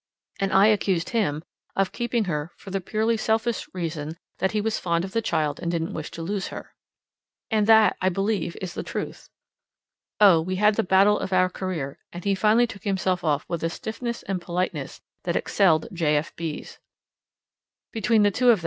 And I accused him of keeping her for the purely selfish reason that he was fond of the child and didn't wish to lose her. (And that, I believe, is the truth.) Oh, we had the battle of our career, and he finally took himself off with a stiffness and politeness that excelled J. F. B.'